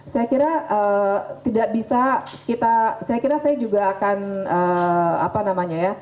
saya kira tidak bisa kita saya kira saya juga akan apa namanya ya